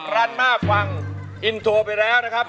รั่นมากฟังอินโทรไปแล้วนะครับ